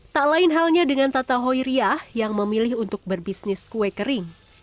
tak lain halnya dengan tata hoiriah yang memilih untuk berbisnis kue kering